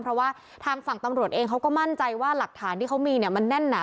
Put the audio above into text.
เพราะว่าทางฝั่งตำรวจเองเขาก็มั่นใจว่าหลักฐานที่เขามีเนี่ยมันแน่นหนา